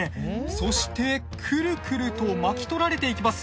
そしてクルクルと巻き取られていきます。